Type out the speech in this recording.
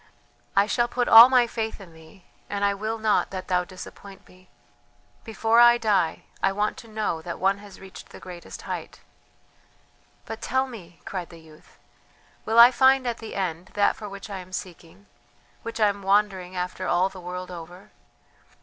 I shall put all my faith in thee, and I will not that thou disappoint me. Before I die, I want to know that one has reached the greatest height." "But tell me," cried the youth, "will I find at the end that for which I am seeking, which I am wandering after all the world over?"